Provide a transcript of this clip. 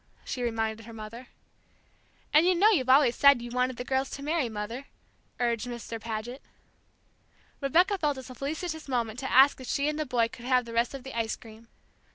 she reminded her mother. "And you know you've always said you wanted the girls to marry, Mother," urged Mr. Paget. Rebecca felt this a felicitous moment to ask if she and the boys could have the rest of the ice cream.